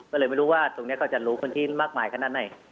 ก็เลยไม่รู้ว่าตรงนี้เขาจะรู้คนที่มากมายขนาดไหน